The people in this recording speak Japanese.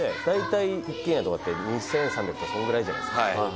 大体一軒家とかって２３００とかそんぐらいじゃないですか。